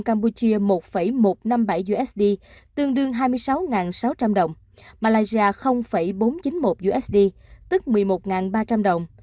campuchia một một trăm năm mươi bảy usd tương đương hai mươi sáu sáu trăm linh đồng malaysia bốn trăm chín mươi một usd tức một mươi một ba trăm linh đồng